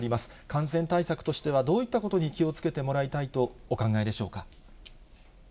感染対策としてはどういったことに気をつけてもらいたいとお考えでしょうか。